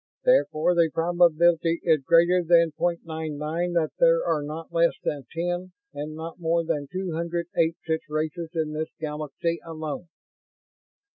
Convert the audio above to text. Therefore the probability is greater than point nine nine that there are not less than ten, and not more than two hundred eight, such races in this Galaxy alone."